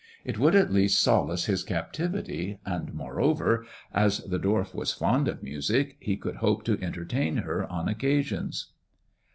It would at least solace his captivity, and moreover, as the dwarf was fond of music, he could hope to entertain her on occasions.